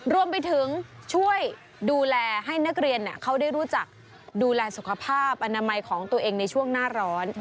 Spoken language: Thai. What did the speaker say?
รวมไปถึงช่วยดูแลให้นักเรียนเขาได้รู้จักดูแลสุขภาพอนามัยของตัวเองในช่วงหน้าร้อน